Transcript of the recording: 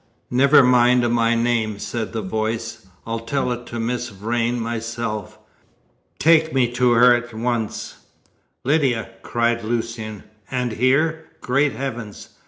"Never mind my name," said the voice, "I'll tell it to Miss Vrain myself. Take me to her at once." "Lydia!" called Lucian, "and here? Great heavens!